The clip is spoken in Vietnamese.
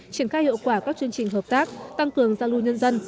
triển khai hiệu quả các chương trình hợp tác tăng cường giao lưu nhân dân